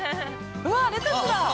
うわっ、レタスだ！